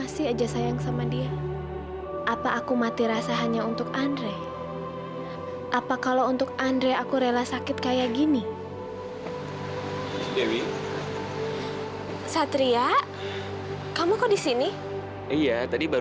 sampai jumpa di video selanjutnya